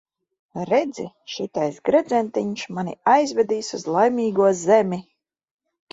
Redzi, šitais gredzentiņš mani aizvedīs uz Laimīgo zemi.